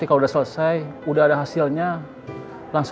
kamu aja yang nunggu